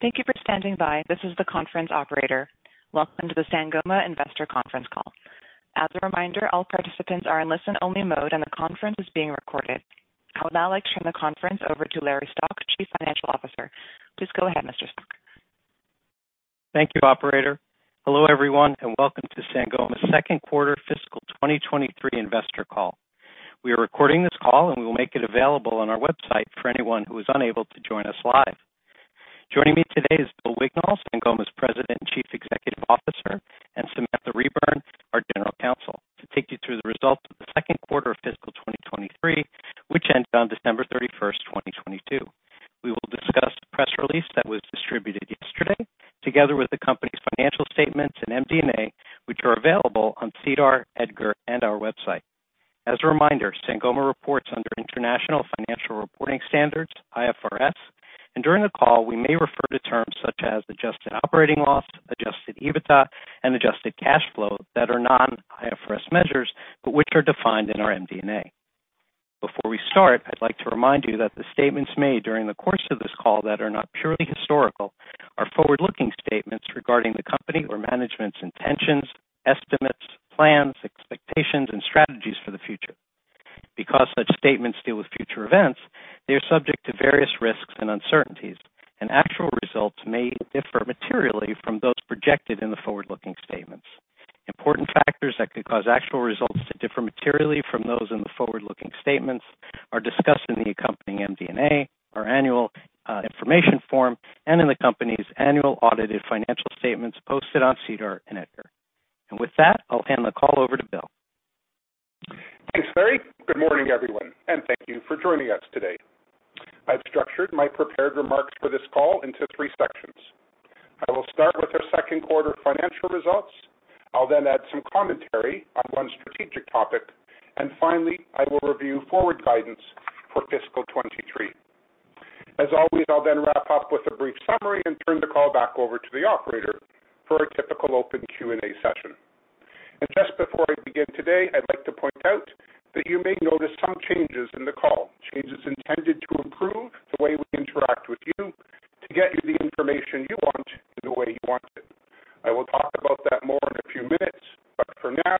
Thank you for standing by. This is the conference operator. Welcome to the Sangoma Investor Conference Call. As a reminder, all participants are in listen-only mode, and the conference is being recorded. I would now like to turn the conference over to Larry Stock, Chief Financial Officer. Please go ahead, Mr. Stock. Thank you, operator. Hello, everyone, and welcome to Sangoma's second quarter fiscal 2023 investor call. We are recording this call, and we will make it available on our website for anyone who is unable to join us live. Joining me today is Bill Wignall, Sangoma's President and Chief Executive Officer, and Samantha Reburn, our General Counsel, to take you through the results of the second quarter of fiscal 2023, which ended on December 31st, 2022. We will discuss the press release that was distributed yesterday, together with the company's financial statements and MD&A, which are available on SEDAR, EDGAR, and our website. As a reminder, Sangoma reports under International Financial Reporting Standards, IFRS. During the call, we may refer to terms such as adjusted operating loss, adjusted EBITDA, and adjusted cash flow that are non-IFRS measures, but which are defined in our MD&A. Before we start, I'd like to remind you that the statements made during the course of this call that are not purely historical are forward-looking statements regarding the company or management's intentions, estimates, plans, expectations, and strategies for the future. Because such statements deal with future events, they are subject to various risks and uncertainties, and actual results may differ materially from those projected in the forward-looking statements. Important factors that could cause actual results to differ materially from those in the forward-looking statements are discussed in the accompanying MD&A, our annual information form, and in the company's annual audited financial statements posted on SEDAR and EDGAR. With that, I'll hand the call over to Bill. Thanks, Larry. Good morning, everyone, and thank you for joining us today. I've structured my prepared remarks for this call into three sections. I will start with our second quarter financial results. I'll then add some commentary on one strategic topic. Finally, I will review forward guidance for fiscal 2023. As always, I'll then wrap up with a brief summary and turn the call back over to the operator for a typical open Q&A session. Just before I begin today, I'd like to point out that you may notice some changes in the call, changes intended to improve the way we interact with you to get you the information you want in the way you want it. I will talk about that more in a few minutes, but for now,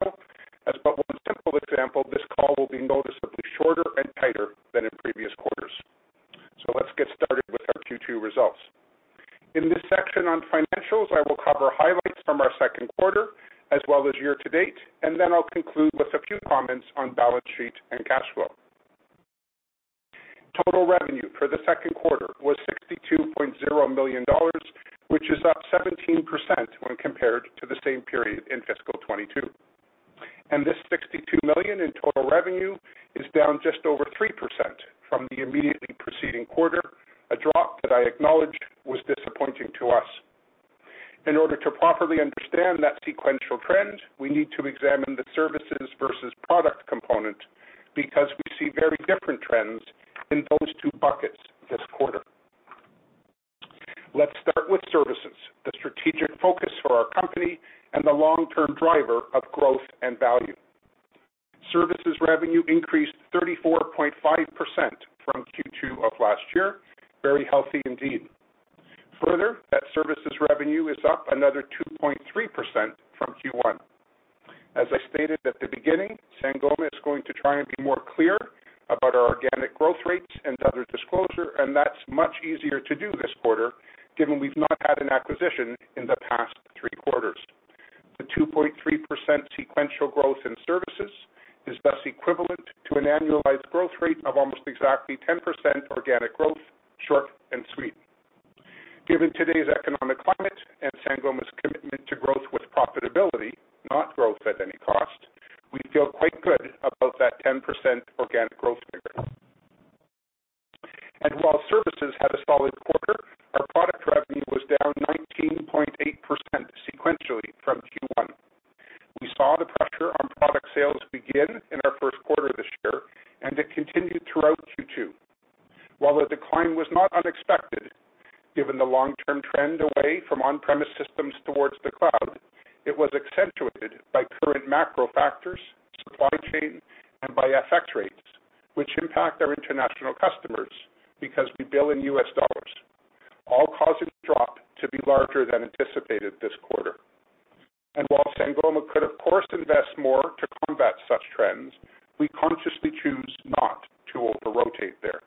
as but one simple example, this call will be noticeably shorter and tighter than in previous quarters. Let's get started with our Q2 results. In this section on financials, I will cover highlights from our second quarter as well as year-to-date, and then I'll conclude with a few comments on balance sheet and cash flow. Total revenue for the second quarter was $62.0 million, which is up 17% when compared to the same period in fiscal 2022. This $62 million in total revenue is down just over 3% from the immediately preceding quarter, a drop that I acknowledge was disappointing to us. In order to properly understand that sequential trend, we need to examine the services versus product component because we see very different trends in those two buckets this quarter. Let's start with services, the strategic focus for our company and the long-term driver of growth and value. Services revenue increased 34.5% from Q2 of last year. Very healthy indeed. Further, that services revenue is up another 2.3% from Q1. As I stated at the beginning, Sangoma is going to try and be more clear about our organic growth rates and other disclosure, and that's much easier to do this quarter, given we've not had an acquisition in the past three quarters. The 2.3% sequential growth in services is thus equivalent to an annualized growth rate of almost exactly 10% organic growth, short and sweet. Given today's economic climate and Sangoma's commitment to growth with profitability, not growth at any cost, we feel quite good about that 10% organic growth figure. While services had a solid quarter, our product revenue was down 19.8% sequentially from Q1. We saw the pressure on product sales begin in our first quarter this year, and it continued throughout Q2. While the decline was not unexpected, given the long-term trend away from on-premise systems towards the cloud, it was accentuated by current macro factors, supply chain, and by FX rates, which impact our international customers because we bill in US dollars, all causing drop to be larger than anticipated this quarter. While Sangoma could of course invest more to combat such trends, we consciously choose not to over-rotate there.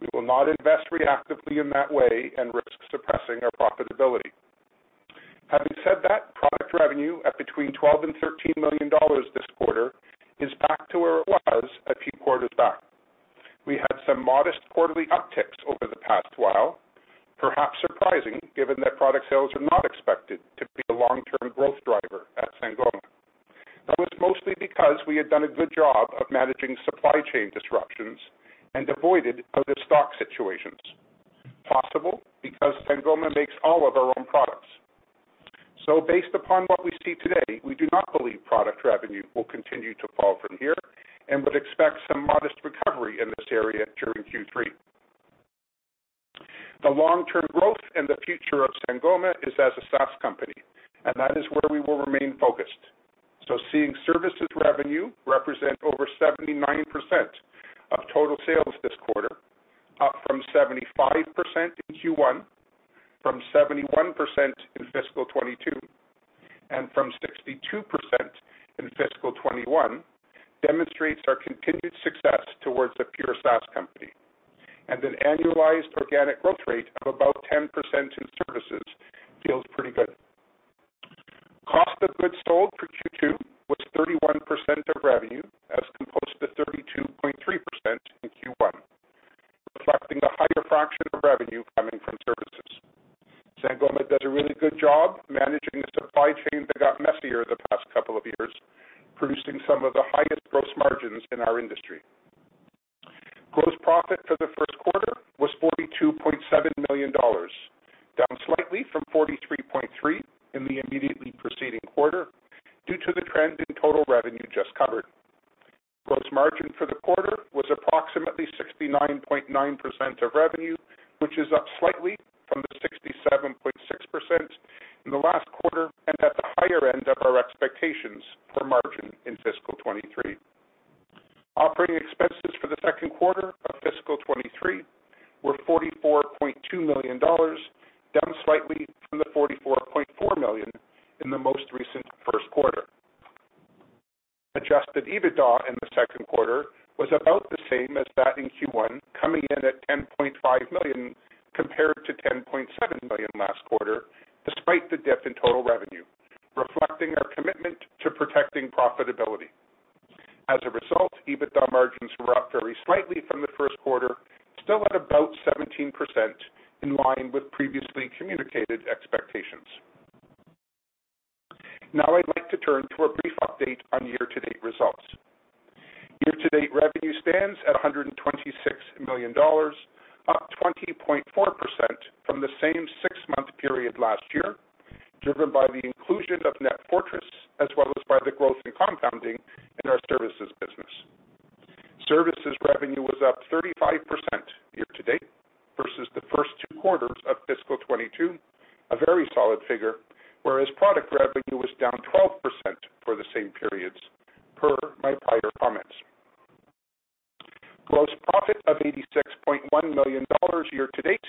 We will not invest reactively in that way and risk suppressing our profitability. Having said that, product revenue at between $12 million and $13 million this quarter is back to where it was a few quarters back. We had some modest quarterly upticks over the past while, perhaps surprising given that product sales are not expected to be a long-term growth driver at Sangoma. That was mostly because we had done a good job of managing supply chain disruptions and avoided out-of-stock situations. Possible because Sangoma makes all of our own products. Based upon what we see today, we do not believe product revenue will continue to fall from here and would expect some modest recovery in this area during Q3. The long-term growth and the future of Sangoma is as a SaaS company, and that is where we will remain focused. Seeing services revenue represent over 79% of total sales this quarter, up from 75% in Q1, from 71% in fiscal 2022, and from 62% in fiscal 2021, demonstrates our continued success towards a pure SaaS company. An annualized organic growth rate of about 10% in services feels pretty good. Cost of goods sold for Q2 was 31% of revenue, as composed to 32.3% in Q1, reflecting the higher fraction of revenue coming from services. Sangoma does a really good job managing the supply chain that got messier the past couple of years, producing some of the highest gross margins in our industry. Gross profit of $86.1 million year to date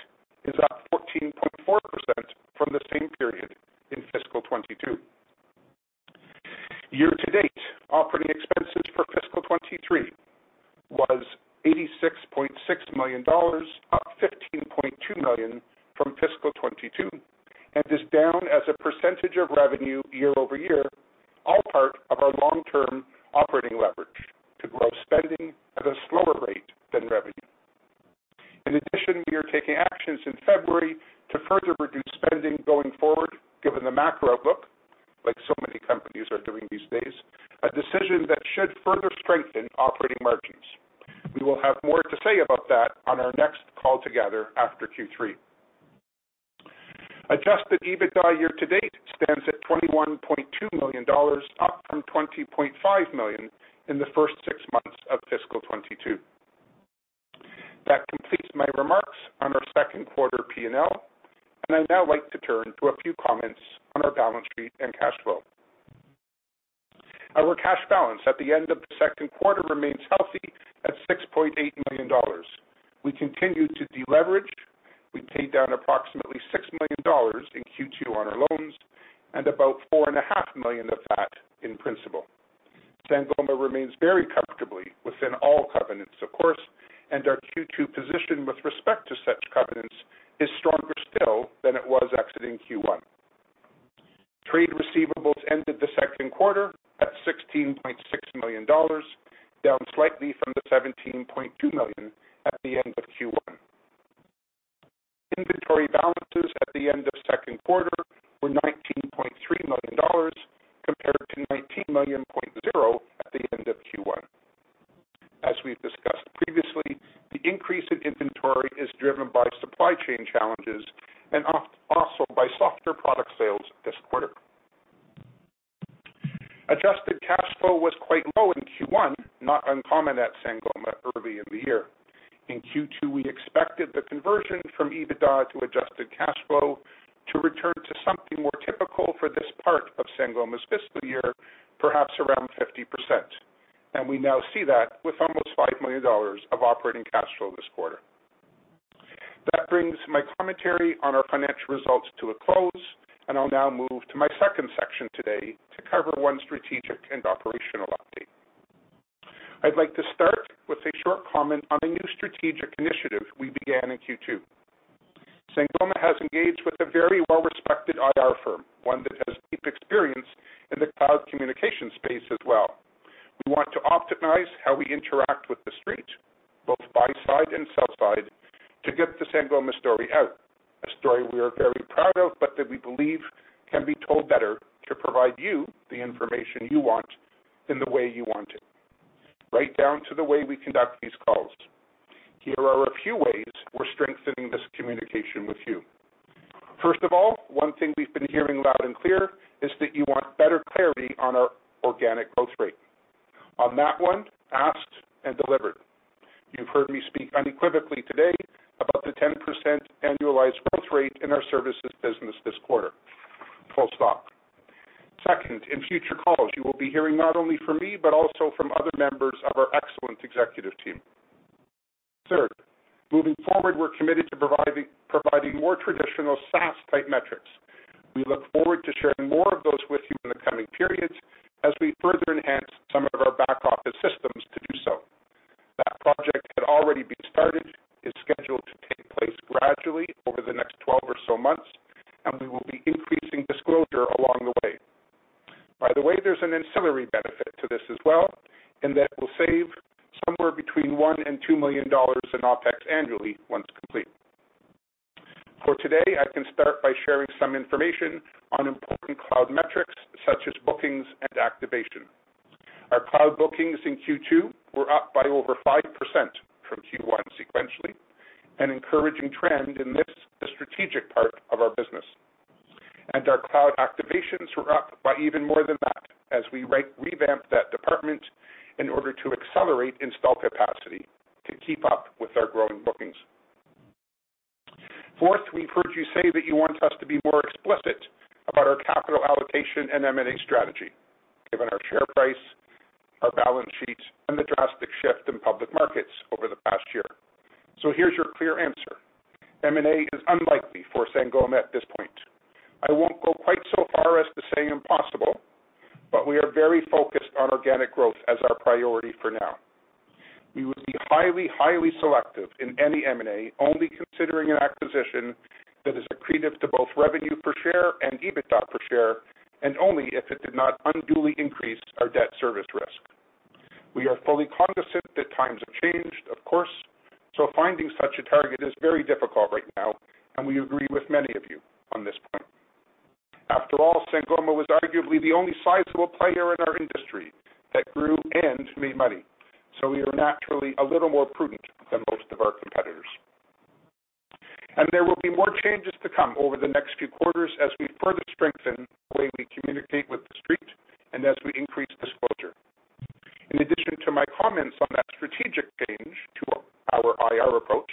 is up 14.4% from the same period in fiscal 2022. Year to date, operating expenses for fiscal 2023 was $86.6 million, up $15.2 million from fiscal 2022, and is down as a percentage of revenue year-over-year, all part of our long-term operating leverage to grow spending at a slower rate than revenue. In addition, we are taking actions in February to further reduce spending going forward, given the macro outlook, like so many companies are doing these days, a decision that should further strengthen operating margins. We will have more to say about that on our next call together after Q3. Adjusted EBITDA year to date stands at $21.2 million, up from $20.5 million in the first six months of fiscal 2022. That completes my remarks on our second quarter P&L, and I'd now like to turn to a few comments on our balance sheet and cash flow. Our cash balance at the end of the second quarter remains healthy at $6.8 million. We continue to deleverage. We paid down approximately $6 million in Q2 on our loans and about $4.5 million of that in principle. Sangoma remains very comfortably within all covenants, of course, and our Q2 position with respect to such covenants is stronger still than it was exiting Q1. Trade receivables ended the second quarter at $16.6 million, down slightly from the $17.2 million at the end of Q1. Inventory balances at the end of second quarter were $19.3 million compared to $19.0 million at the end of Q1. As we've discussed previously, the increase in inventory is driven by supply chain challenges and also by softer product sales this quarter. Adjusted cash flow was quite low in Q1, not uncommon at Sangoma early in the year. In Q2, we expected the conversion from EBITDA to adjusted cash flow to return to something more typical for this part of Sangoma's fiscal year, perhaps around 50%. We now see that with almost $5 million of operating cash flow this quarter. That brings my commentary on our financial results to a close. I'll now move to my second section today to cover one strategic and operational update. I'd like to start with a short comment on a new strategic initiative we began in Q2. Sangoma has engaged with a very well-respected IR firm, one that has deep experience in the cloud communication space as well. We want to optimize how we interact with the street, both buy side and sell side, to get the Sangoma story out, a story we are very proud of but that we believe can be told better to provide you the information you want in the way you want it, right down to the way we conduct these calls. Here are a few ways we're strengthening this communication with you. First of all, one thing we've been hearing loud and clear is that you want better clarity on our organic growth rate. On that one, asked and delivered. You've heard me speak unequivocally today about the 10% annualized growth rate in our services business this quarter. Full stop. Second, in future calls, you will be hearing not only from me, but also from other members of our excellent executive team. Third, moving forward, we're committed to providing more traditional SaaS-type metrics. We look forward to sharing more of those with you in the coming periods as we further enhance some of our back-office systems to do so. That project had already been started, is scheduled to take place gradually over the next 12 or so months, and we will be increasing disclosure along the way. By the way, there's an ancillary benefit to this as well, in that we'll save somewhere between $1 million and $2 million in OpEx annually once complete. For today, I can start by sharing some information on important cloud metrics such as bookings and activation. Our cloud bookings in Q2 were up by over 5% from Q1 sequentially, an encouraging trend in this, the strategic part of our business. Our cloud activations were up by even more than that as we re-revamp that department in order to accelerate install capacity to keep up with our growing bookings. Fourth, we've heard you say that you want us to be more explicit about our capital allocation and M&A strategy, given our share price, our balance sheets, and the drastic shift in public markets over the past year. Here's your clear answer: M&A is unlikely for Sangoma at this point. I won't go quite so far as to say impossible, we are very focused on organic growth as our priority for now. We would be highly selective in any M&A, only considering an acquisition that is accretive to both revenue per share and EBITDA per share, only if it did not unduly increase our debt service risk. We are fully cognizant that times have changed, of course, finding such a target is very difficult right now, we agree with many of you on this point. After all, Sangoma was arguably the only sizable player in our industry that grew and made money, we are naturally a little more prudent than most of our competitors. There will be more changes to come over the next few quarters as we further strengthen the way we communicate with The Street and as we increase disclosure. In addition to my comments on that strategic change to our IR approach,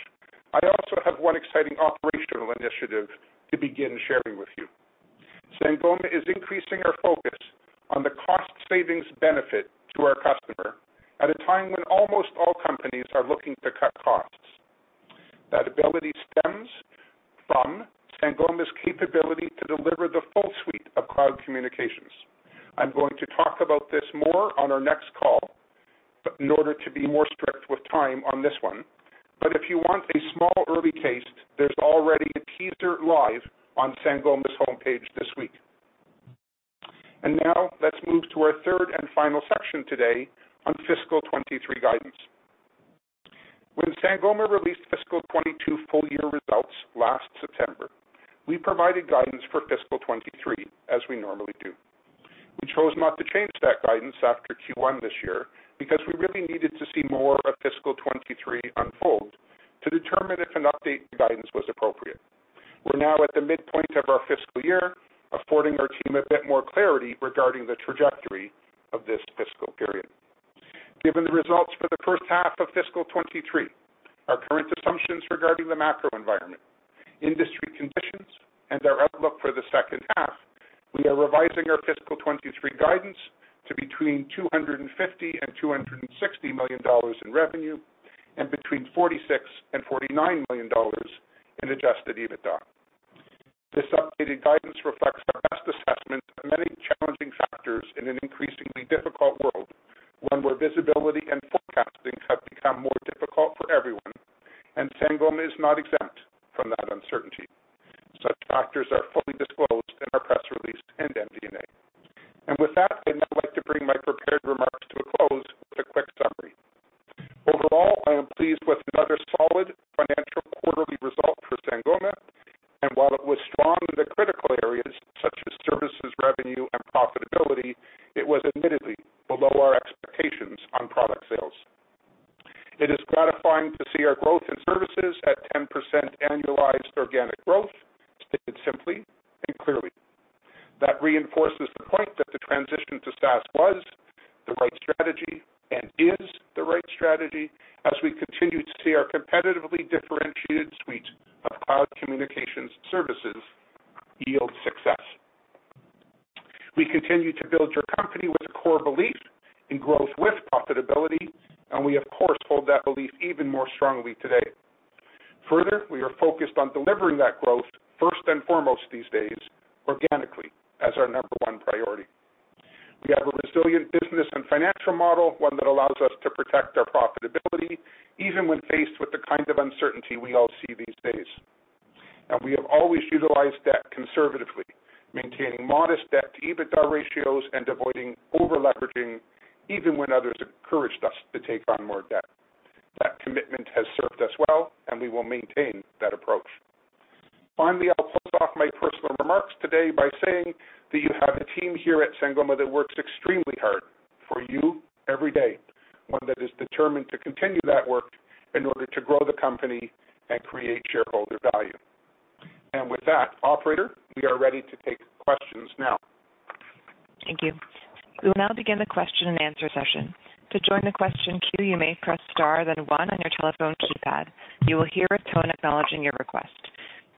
I also have one exciting operational initiative to begin sharing with you. Sangoma is increasing our focus on the cost savings benefit to our customer at a time when almost all companies are looking to cut costs. That ability stems from Sangoma's capability to deliver the full suite of cloud communications. I'm going to talk about this more on our next call, but in order to be more strict with time on this one. If you want a small early taste, there's already a teaser live on Sangoma's homepage this week. Now let's move to our third and final section today on fiscal 2023 guidance. When Sangoma released fiscal 2022 full year results last September, we provided guidance for fiscal 2023 as we normally do. We chose not to change that guidance after Q1 this year because we really needed to see more of fiscal 2023 unfold to determine if an update to guidance was appropriate. We're now at the midpoint of our fiscal year, affording our team a bit more clarity regarding the trajectory of this fiscal period. Given the results for the first half of fiscal 2023, our current assumptions regarding the macro environment, industry conditions, and our outlook for the second half, we are revising our fiscal 2023 guidance to between $250 million-$260 million in revenue and between $46 million-$49 million in adjusted EBITDA. This updated guidance reflects our best assessment of many challenging factors in an increasingly difficult world, one where visibility and forecasting have become more difficult for everyone, and Sangoma is not exempt from that uncertainty. Such factors are fully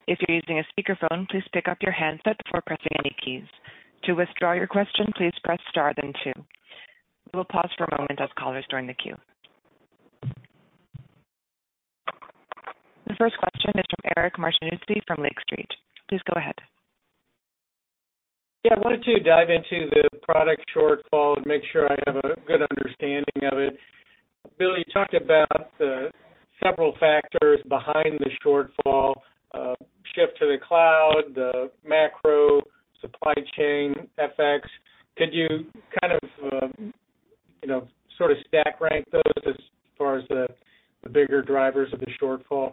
If you're using a speakerphone, please pick up your handset before pressing any keys. To withdraw your question, please press star then two. We will pause for a moment as callers join the queue. The first question is from Eric Martinuzzi from Lake Street. Please go ahead. Yeah, I wanted to dive into the product shortfall and make sure I have a good understanding of it. Bill, you talked about the several factors behind the shortfall, shift to the cloud, the macro supply chain FX. Could you kind of, you know, sort of stack rank those as far as the bigger drivers of the shortfall?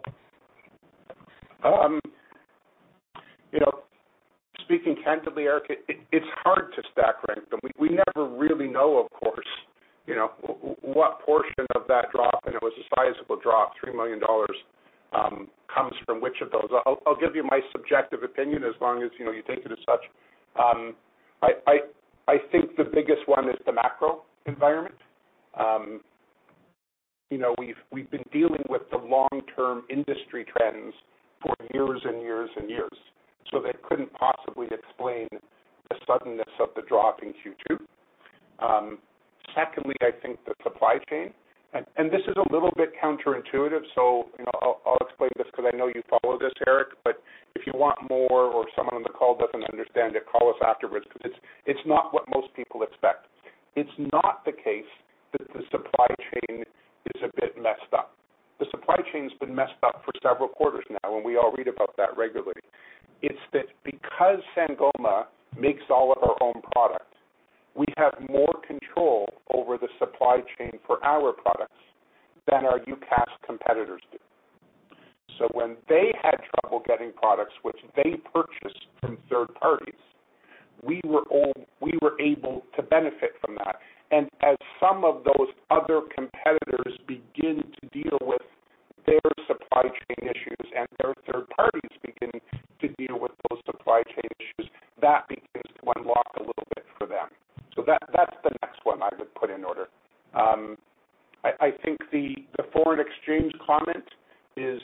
You know, speaking candidly, Eric, it's hard to stack rank them. We, we never really know, of course, you know, what portion of that drop, and it was a sizable drop, $3 million, comes from which of those. I'll give you my subjective opinion as long as, you know, you take it as such. I, I think the biggest one is the macro environment. You know, we've been dealing with the long-term industry trends for years and years and years, so that couldn't possibly explain the suddenness of the drop in Q2. Secondly, I think the supply chain, and this is a little bit counterintuitive, so, you know, I'll explain this because I know you follow this, Eric. If you want more or someone on the call doesn't understand it, call us afterwards because it's not what most people expect. It's not the case that the supply chain is a bit messed up. The supply chain has been messed up for several quarters now. We all read about that regularly. It's that because Sangoma makes all of our own products, we have more control over the supply chain for our products than our UCaaS competitors do. When they had trouble getting products which they purchased from third parties, we were able to benefit from that. As some of those other competitors begin to deal with their supply chain issues and their third parties begin to deal with those supply chain issues, that begins to unlock a little bit for them. That's the next one I would put in order. I think the foreign exchange comment is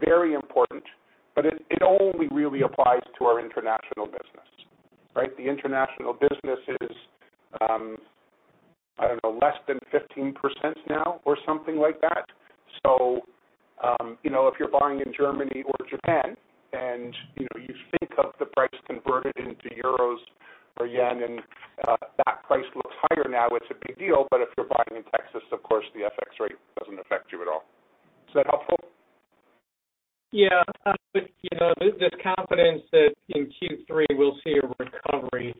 very important, but it only really applies to our international business, right? The international business is, I don't know, less than 15% now or something like that. You know, if you're buying in Germany or Japan and, you know, you think of the price converted into euros or yen and that price looks higher now, it's a big deal. If you're buying in Texas, of course, the FX rate doesn't affect you at all. Is that helpful? You know, this confidence that in Q3 we'll see a recovery,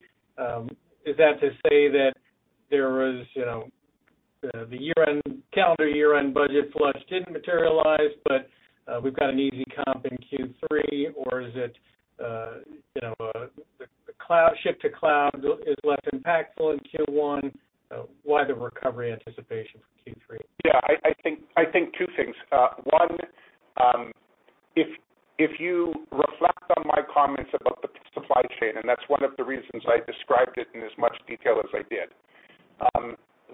is that to say that there was, you know, the year-end calendar year-end budget flush didn't materialize, but, we've got an easy comp in Q3? Or is it, you know, the cloud shift to cloud is less impactful in Q1? Why the recovery anticipation for Q3? Yeah, I think two things. One, if you reflect on my comments about the supply chain, and that's one of the reasons I described it in as much detail as I did,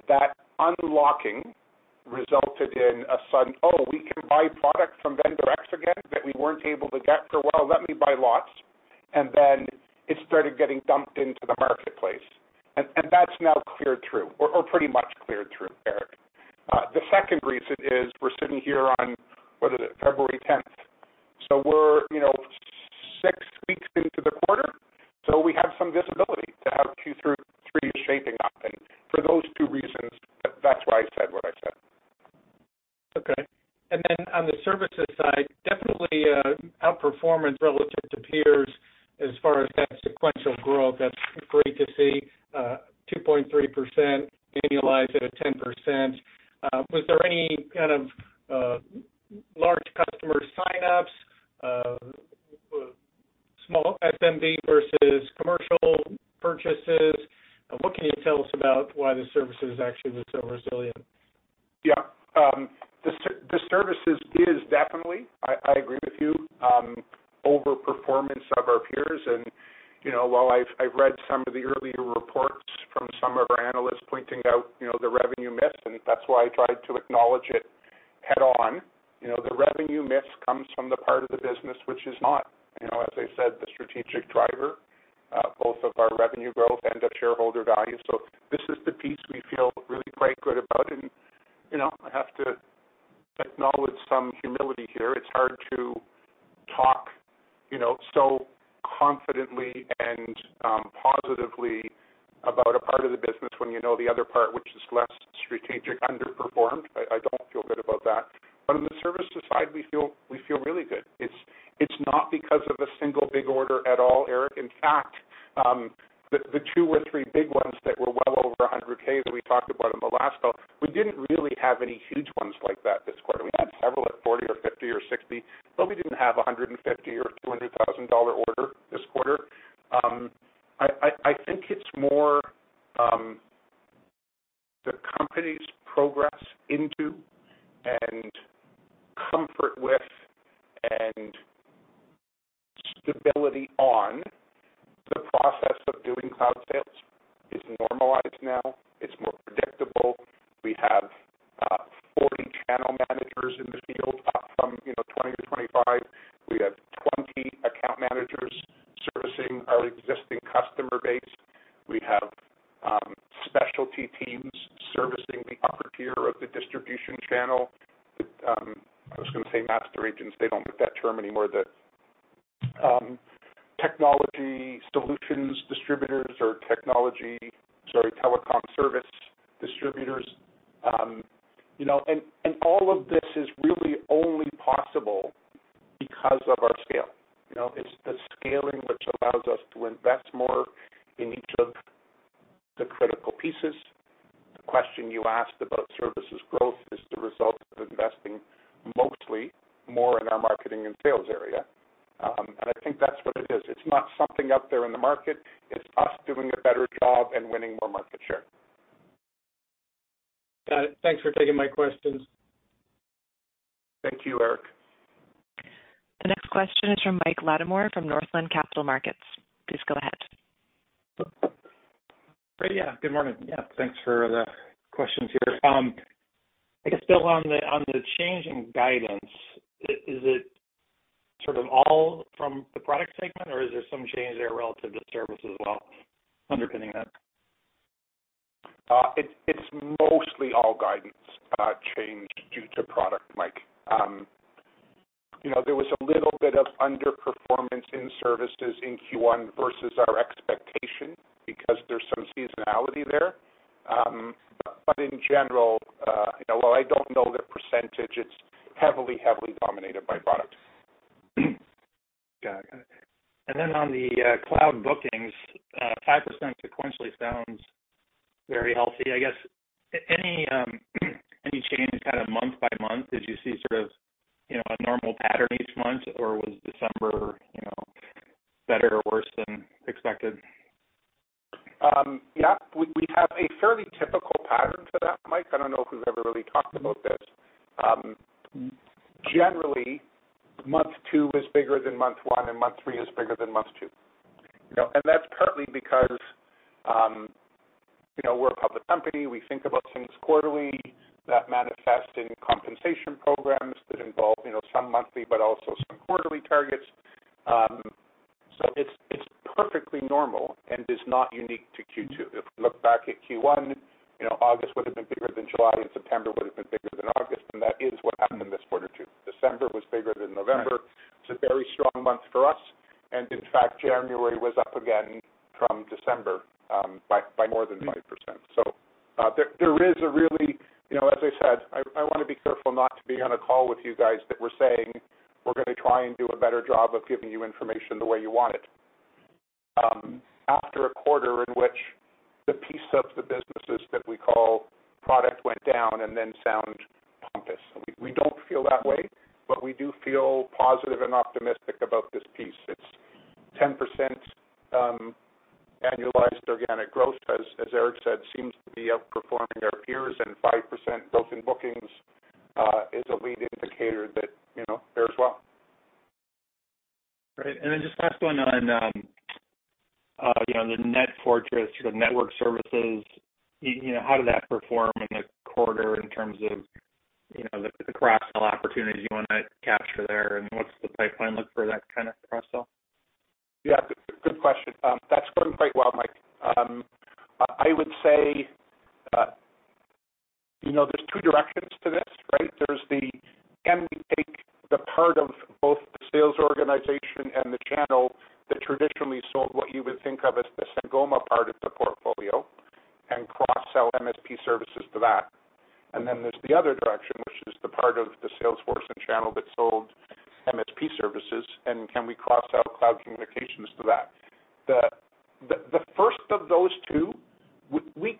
that unlocking resulted in a sudden, "Oh, we can buy product from vendor X again that we weren't able to get for a while. Let me buy lots." Then it started getting dumped into the marketplace. That's now cleared through or pretty much cleared through, Eric. The second reason is we're sitting here on, what is it, February tenth. We're, you know, six weeks into the quarter, so we have some visibility to how Q3 is shaping up. For those two reasons, that's why I said what I said. Okay. On the services side, definitely, outperformance relative to peers as far as that sequential growth, that's great to see, 2.3%, annualized at a 10%. Was there any kind of large customer sign-ups, small SMB versus commercial purchases? What can you tell us about why the services actually was so resilient? Yeah. The services is definitely, I agree with you, overperformance of our peers. You know, while I've, I read some of the earlier reports from some of our analysts pointing out, you know, the revenue miss, and that's why I tried to acknowledge it head on. You know, the revenue miss comes from the part of the business which is not, you know, as I said, the strategic driver, both of our revenue growth and of shareholder value. This is the piece we feel really quite good about. You know, I have to acknowledge some humility here. It's hard to talk, you know, so confidently and positively about a part of the business when you know the other part, which is less strategic, underperformed. I don't feel good about that. On the services side, we feel really good. It's not because of a single big order at all, Eric. In fact, the two or three big ones that were well over $100K that we talked about on the last call, we didn't really have any huge ones like that this quarter. We had several at 40 or 50 or 60, but we didn't have a $150,000 or $200,000 order this quarter. I think it's more. company's progress into and comfort with and stability on the process of doing cloud sales is normalized now. It's more predictable. We have 40 channel managers in the field up from, you know, 20-25. We have 20 account managers servicing our existing customer base. We have specialty teams servicing the upper tier of the distribution channel. I was gonna say master agents. They don't like that term anymore. The technology solutions distributors or technology services distributors. You know, all of this is really only possible because of our scale. You know, it's the scaling which allows us to invest more in each of the critical pieces. The question you asked about services growth is the result of investing mostly more in our marketing and sales area. I think that's what it is. It's not something out there in the market, it's us doing a better job and winning more market share. Thanks for taking my questions. Thank you, Eric. The next question is from Mike Latimore from Northland Capital Markets. Please go ahead. Yeah. Good morning. Yeah, thanks for the questions here. I guess, Bill, on the change in guidance, is it sort of all from the product segment, or is there some change there relative to service as well underpinning that? It's mostly all guidance change due to product, Mike. You know, there was a little bit of underperformance in services in Q1 versus our expectation because there's some seasonality there. In general, you know, while I don't know the percentage, it's heavily dominated by product. Got it. On the cloud bookings, 5% sequentially sounds very healthy. I guess, any change kind of month by month as you see sort of, you know, a normal pattern each month, or was December, you know, better or worse than expected? Yeah. We have a fairly typical pattern to that, Mike. I don't know if we've ever really talked about this. Generally, month two is bigger than month one. Month three is bigger than month two. You know, that's partly because, you know, we're a public company. We think about things quarterly that manifest in compensation programs that involve, you know, some monthly but also some quarterly targets. It's perfectly normal and is not unique to Q2. If we look back at Q1, you know, August would have been bigger than July. September would have been bigger than August. That is what happened this quarter too. December was bigger than November. It's a very strong month for us. In fact, January was up again from December, by more than 5%. There is a really, you know, as I said, I wanna be careful not to be on a call with you guys that we're saying we're gonna try and do a better job of giving you information the way you want it. After a quarter in which the piece of the businesses that we call product went down and then sound pompous. We don't feel that way, but we do feel positive and optimistic about this piece. It's 10%, annualized organic growth, as Eric said, seems to be outperforming our peers, and 5% built in bookings, is a lead indicator that, you know, fares well. Great. Just last one on, you know, the NetFortris, sort of network services. You know, how did that perform in the quarter in terms of, you know, the cross-sell opportunities you wanna capture there, and what's the pipeline look for that kind of cross-sell? Yeah, good question. That's going quite well, Mike. I would say, you know, there's two directions to this, right? There's the can we take the part of both the sales organization and the channel that traditionally sold what you would think of as the Sangoma part of the portfolio and cross-sell MSP services to that. And then there's the other direction, which is the part of the sales force and channel that sold MSP services, and can we cross-sell cloud communications to that? The first of those two, we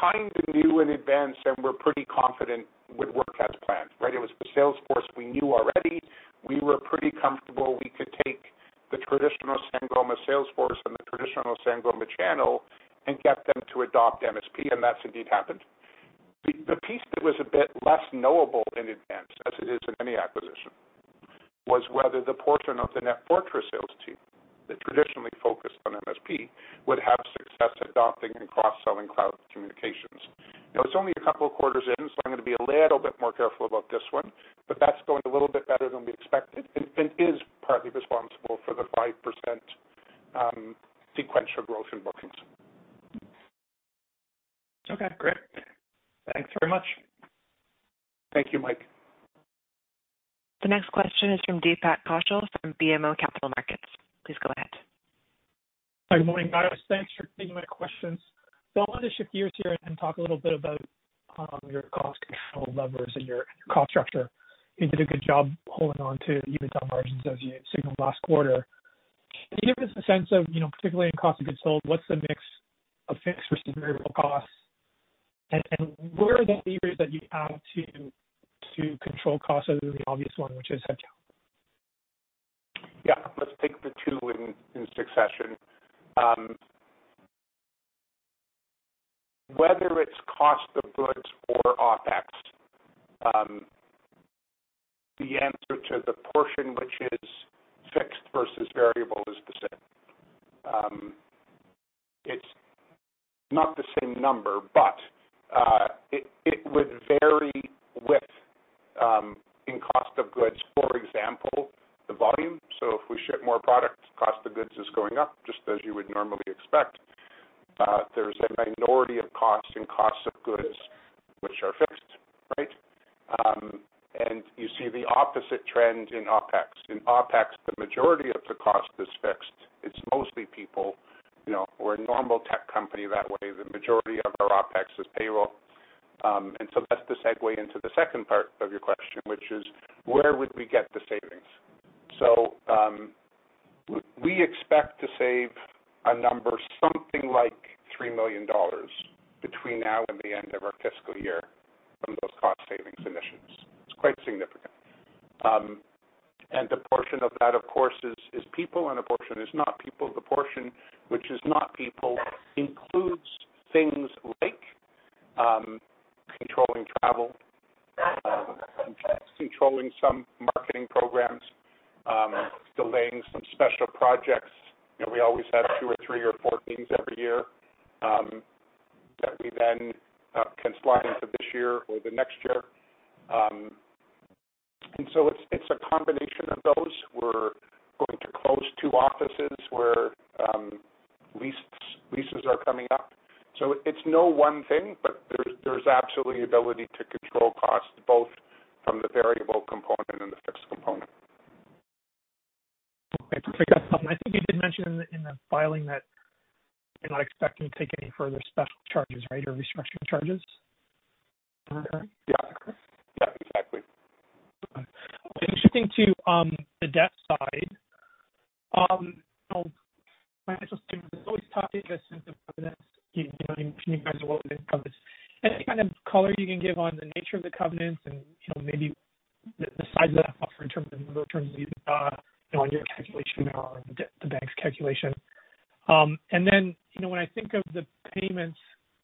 kinda knew in advance and were pretty confident would work as planned, right? It was the sales force we knew already. We were pretty comfortable we could take the traditional Sangoma sales force and the traditional Sangoma channel and get them to adopt MSP, and that's indeed happened. The piece that was a bit less knowable in advance, as it is in any acquisition, was whether the portion of the NetFortris sales team that traditionally focused on MSP would have success adopting and cross-selling cloud communications. Now, it's only a couple of quarters in, so I'm gonna be a little bit more careful about this one, but that's going a little bit better than we expected and is partly responsible for the 5% sequential growth in bookings. Okay, great. Thanks very much. Thank you, Mike. The next question is from Deepak Kaushal from BMO Capital Markets. Please go ahead. Hi. Good morning, guys. Thanks for taking my questions. I wanted to shift gears here and talk a little bit about your cost control levers and your cost structure. You did a good job holding on to EBITDA margins as you signaled last quarter. Can you give us a sense of, you know, particularly in cost of goods sold, what's the mix of fixed versus variable costs? And where are the levers that you have to control costs other than the obvious one, which is headcount? Yeah, let's take the two in succession. Whether it's cost of goods or OPEX, the answer to the portion which is fixed versus variable is the same. It's not the same number, but it would vary with in cost of goods, for example, the volume. If we ship more products, cost of goods is going up just as you would normally expect. There's a minority of costs and costs of goods which are fixed, right? You see the opposite trend in OPEX. In OPEX, the majority of the cost is fixed. It's mostly people, you know, we're a normal tech company that way, the majority of our OPEX is payroll. That's the segue into the second part of your question, which is where would we get the savings? We expect to save a number, something like $3 million between now and the end of our fiscal year from those cost savings initiatives. It's quite significant. The portion of that, of course, is people, and a portion is not people. The portion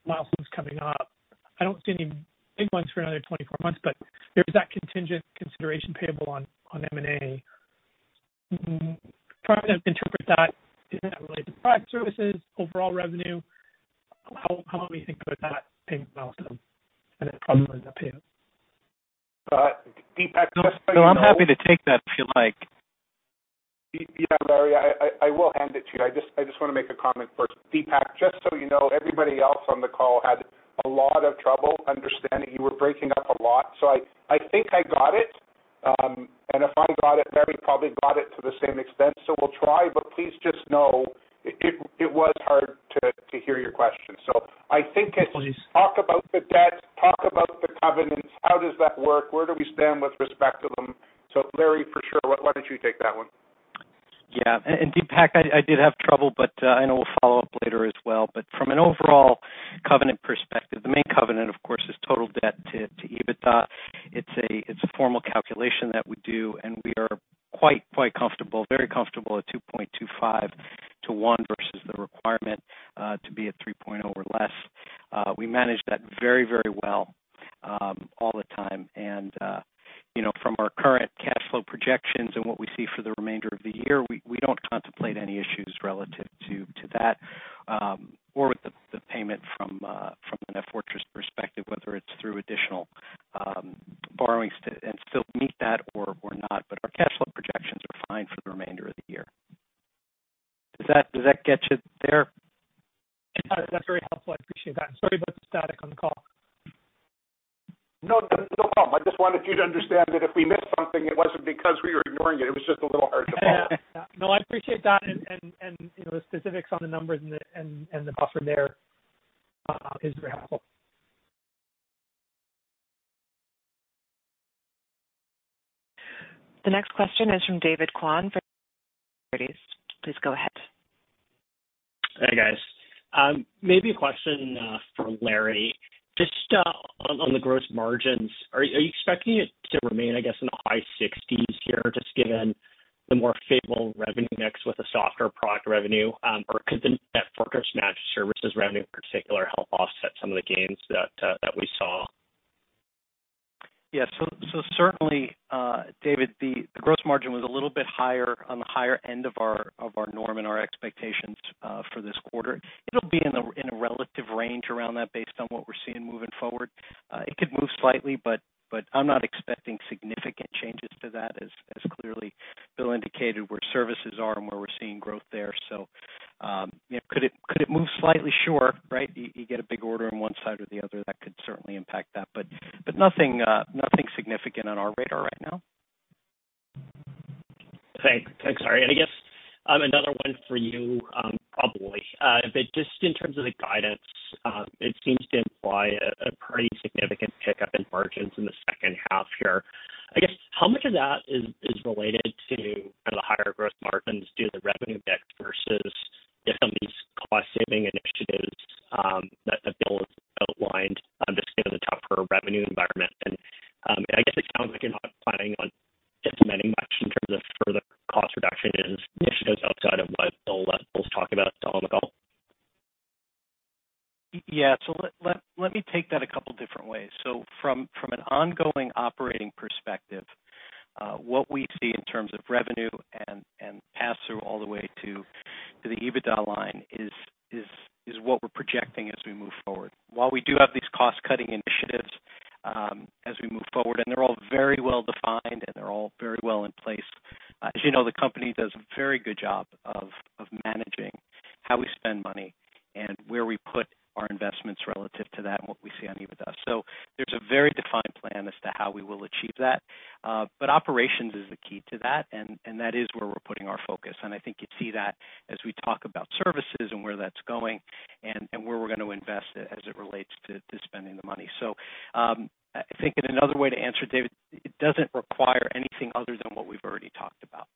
milestones coming up, I don't see any big ones for another 24 months, but there's that contingent consideration payable on M&A. Trying to interpret that, is that related to product services, overall revenue? How long do you think about that payment milestone and then probably the payment? Deepak, just so you know. No, I'm happy to take that if you like. Yeah, Larry, I will hand it to you. I just wanna make a comment first. Deepak, just so you know, everybody else on the call had a lot of trouble understanding. You were breaking up a lot. I think I got it. If I got it, Larry probably got it to the same extent. We'll try, but please just know it was hard to hear your question. I think it's. No worries. talk about the debt, talk about the covenants, how does that work? Where do we stand with respect to them? Larry, for sure, why don't you take that one? Yeah. And Deepak, I did have trouble, but I know we'll follow up later as well. From an overall covenant perspective, the main covenant, of course, is total debt to EBITDA. It's a formal calculation that we do, and we are quite comfortable, very comfortable at 2.25 to 1 versus the requirement to be at 3.0 or less. We manage that very well all the time. You know, from our current cash flow projections and what we see for the remainder of the year, we don't contemplate any issues relative to that or with the payment from a NetFortris perspective, whether it's through additional borrowings to and still meet that or not. Our cash flow projections are fine for the remainder of the year. Does that get you there? That's very helpful. I appreciate that. Sorry about the static on the call. No, no problem. I just wanted you to understand that if we missed something, it wasn't because we were ignoring it. It was just a little hard to follow. No, I appreciate that and, you know, the specifics on the numbers and the buffer there is very helpful. The next question is from David Kwan for TD Securities. Please go ahead. Hey, guys. Maybe a question for Larry. Just on the gross margins. Are you expecting it to remain, I guess, in the high sixties here, just given the more favorable revenue mix with a softer product revenue? Or could the NetFortris managed services revenue in particular help offset some of the gains that we saw? Certainly, David, the gross margin was a little bit higher on the higher end of our norm and our expectations for this quarter. It'll be in a relative range around that based on what we're seeing moving forward. It could move slightly, but I'm not expecting significant changes to that as clearly Bill indicated, where services are and where we're seeing growth there. You know, could it move slightly? Sure, right. You get a big order on one side or the other, that could certainly impact that. But nothing significant on our radar right now. Thanks, Larry. I guess, another one for you, probably. Just in terms of the guidance, it seems to imply a pretty significant pickup in margins in the second half here. I guess, how much of that is related to kind of the higher growth margins due to the revenue mix versus if some of these cost saving initiatives that Bill outlined, just given the tougher revenue environment, and I guess it sounds like you're not planning on implementing much in terms of further cost reduction initiatives outside of what Bill's talked about on the call? Let me take that a couple different ways. From an ongoing operating perspective, what we see in terms of revenue and pass-through all the way to the EBITDA line is what we're projecting as we move forward. While we do have these cost-cutting initiatives, as we move forward, and they're all very well-defined, and they're all very well in place. As you know, the company does a very good job of managing how we spend money and where we put our investments relative to that and what we see on EBITDA. There's a very defined plan as to how we will achieve that. Operations is the key to that, and that is where we're putting our focus. I think you'd see that as we talk about services and where that's going and where we're gonna invest as it relates to spending the money. I think in another way to answer, David, it doesn't require anything other than what we've already talked about.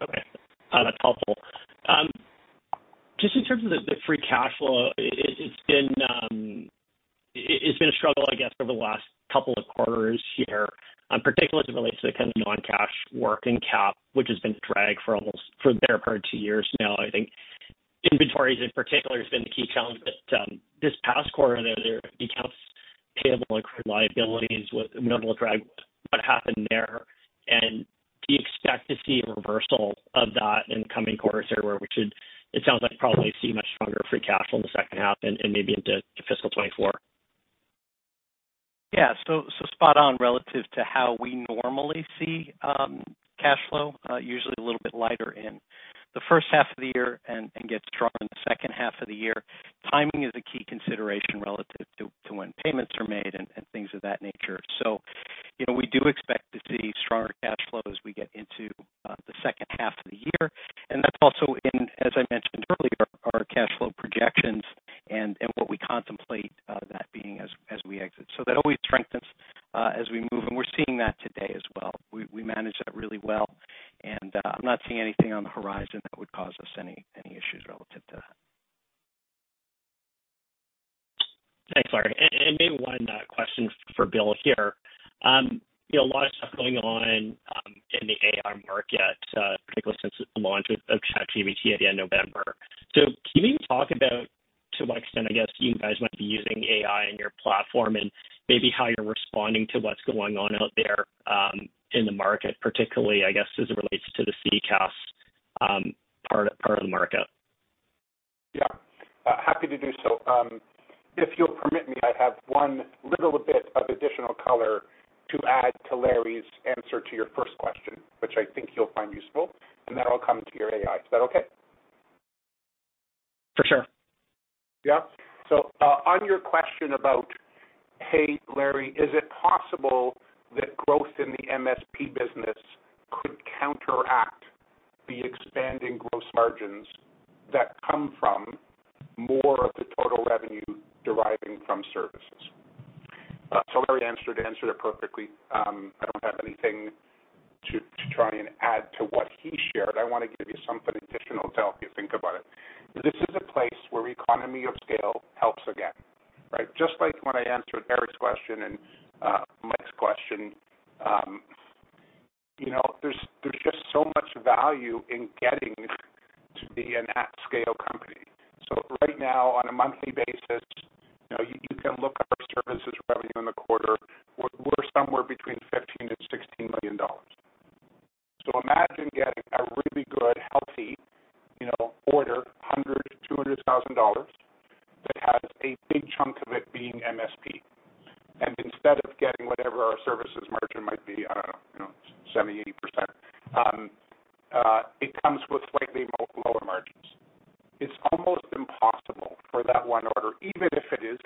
Okay. That's helpful. Just in terms of the free cash flow, it's been a struggle, I guess, over the last couple of quarters here, particularly as it relates to the kind of non-cash working cap, which has been a drag for the better part of two years now. I think inventories, in particular, has been the key challenge. This past quarter, accounts payable and accrued liabilities was notable drag. What happened there? Do you expect to see a reversal of that in coming quarters here, where we should, it sounds like probably see much stronger free cash flow in the second half and maybe into fiscal 2024? Yeah. So spot on relative to how we normally see cash flow, usually a little bit lighter in the first half of the year and gets stronger in the second half of the year. Timing is a key consideration relative to when payments are made and things of that nature. You know, we do expect to see stronger cash flow as we get into the second half of the year. That's also in, as I mentioned earlier, our cash flow projections and what we contemplate, that being as we exit. That always strengthens as we move, and we're seeing that today as well. We manage that really well, and I'm not seeing anything on the horizon that would cause us any issues relative to that. Thanks, Larry. Maybe one question for Bill here. You know, a lot of stuff going on in the AI market, particularly since the launch of ChatGPT at the end of November. Can you talk about to what extent, I guess, you guys might be using AI in your platform and maybe how you're responding to what's going on out there in the market particularly, I guess, as it relates to the CCaaS part of the market? Happy to do so. If you'll permit me, I have one little bit of additional color to add to Larry's answer to your first question, which I think you'll find useful, and then I'll come to your AI. Is that okay? For sure. On your question about, "Hey, Larry, is it possible that growth in the MSP business could counteract the expanding gross margins that come from more of the total revenue deriving from services?" Larry answered it perfectly. I don't have anything to try and add to what he shared. I wanna give you something additional to help you think about it. This is a place where economy of scale helps again, right? Just like when I answered Eric's question and Mike's question, you know, there's just so much value in getting to be an at scale company. Right now, on a monthly basis, you know, you can look at our services revenue in the quarter. We're somewhere between $15 million-$16 million. Imagine getting a really good, healthy, you know, order, $100,000-$200,000 that has a big chunk of it being MSP. Instead of getting whatever our services margin might be, I don't know, you know, 70%-80%, it comes with slightly lower margins. It's almost impossible for that one order, even if it is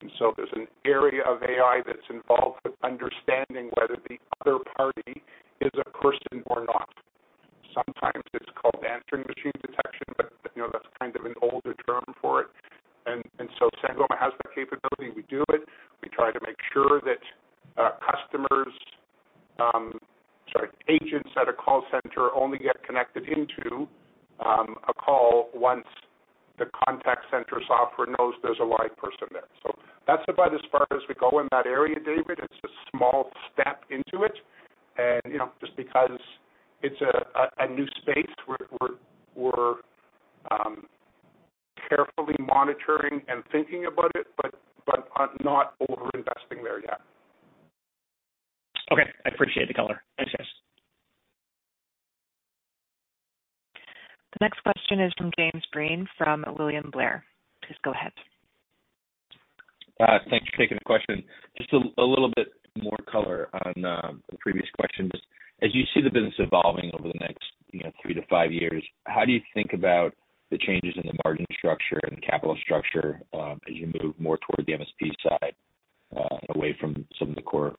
There's an area of AI that's involved with understanding whether the other party is a person or not. Sometimes it's called answering machine detection, but, you know, that's kind of an older term for it. Sangoma has the capability. We do it. We try to make sure that customers, sorry, agents at a call center only get connected into a call once the contact center software knows there's a live person there. That's about as far as we go in that area, David. It's a small step into it. You know, just because it's a new space, we're carefully monitoring and thinking about it, but I'm not over-investing there yet. Okay. I appreciate the color. Thanks, guys. The next question is from James Breen from William Blair. Please go ahead. Thanks for taking the question. Just a little bit more color on the previous question. As you see the business evolving over the next, you know, 3-5 years, how do you think about the changes in the margin structure and capital structure, as you move more toward the MSP side, away from some of the core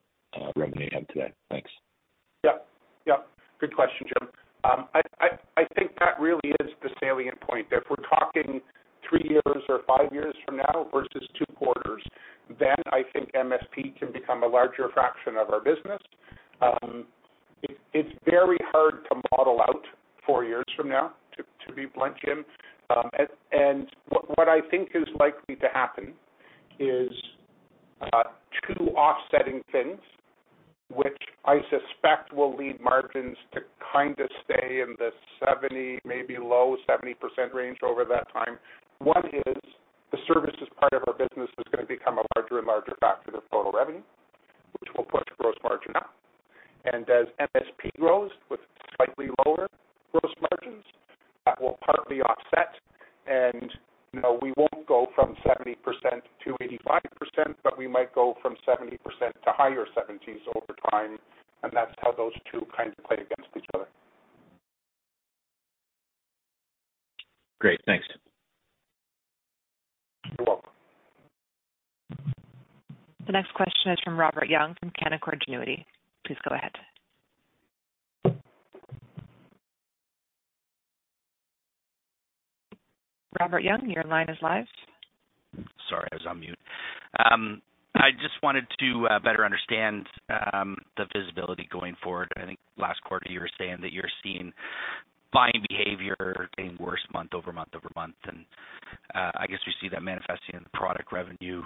revenue you have today? Thanks. Yeah. Yeah. Good question, James. I think that really is the salient point. If we're talking three years or five years from now versus two quarters, then I think MSP can become a larger fraction of our business. It's very hard to model out four years from now, to be blunt, Jim. What I think is likely to happen is two offsetting things which I suspect will lead margins to kind of stay in the 70%, maybe low 70% range over that time. One is the services part of our business is gonna become a larger and larger factor of total revenue, which will push gross margin up. And as MSP grows with slightly lower gross margins, that will partly offset. You know, we won't go from 70%-85%, but we might go from 70% to higher seventies over time, and that's how those two kind of play against each other. Great. Thanks. You're welcome. The next question is from Robert Young from Canaccord Genuity. Please go ahead. Robert Young, your line is live. Sorry, I was on mute. I just wanted to better understand the visibility going forward. I think last quarter you were saying that you're seeing buying behavior getting worse month-over-month-over-month. I guess we see that manifesting in the product revenue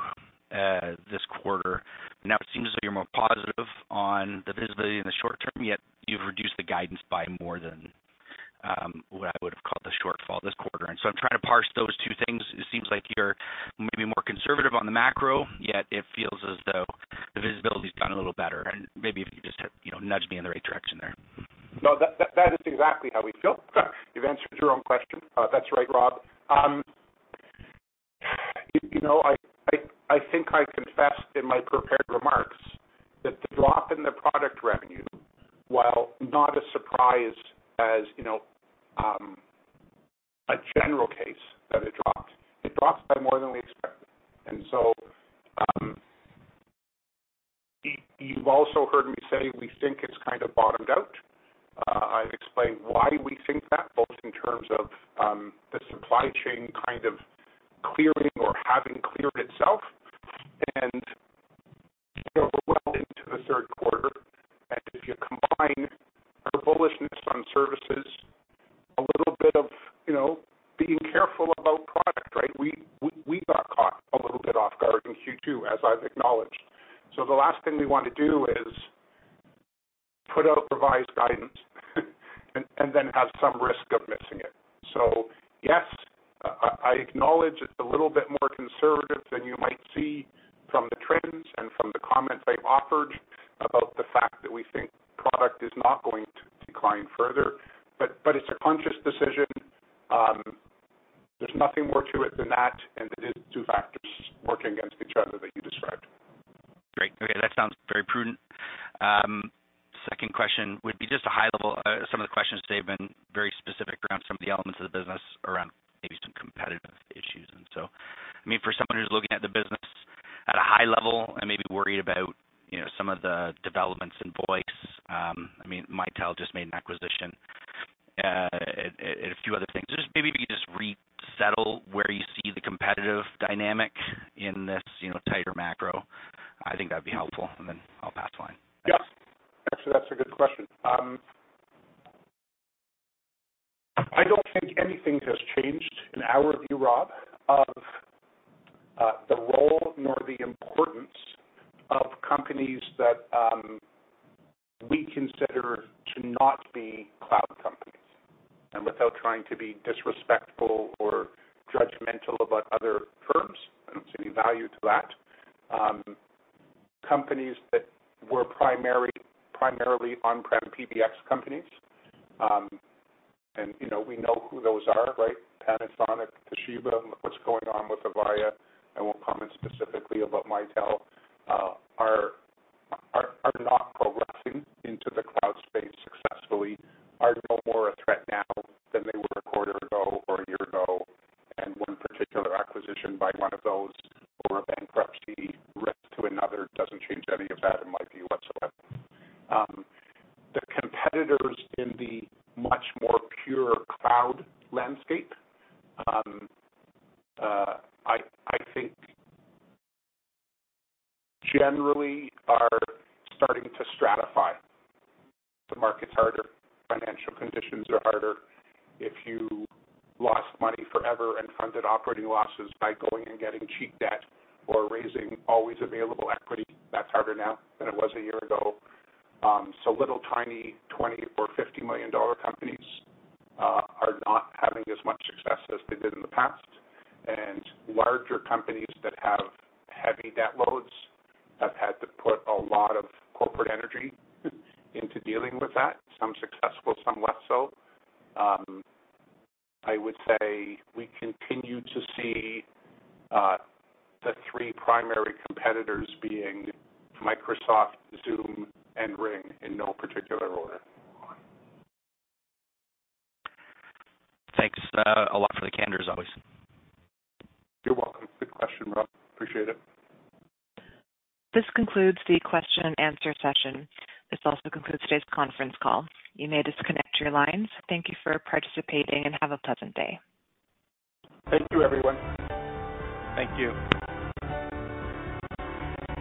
this quarter. Now it seems as though you're more positive on the visibility in the short term, yet you've reduced the guidance by more than what I would have called the shortfall this quarter. I'm trying to parse those two things. It seems like you're maybe more conservative on the macro,